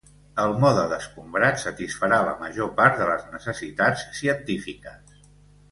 El mode d'escombrat satisfarà la major part de les necessitats científiques.